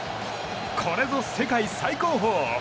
これぞ世界最高峰！